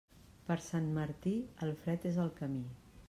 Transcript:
Per Sant Martí, el fred és al camí.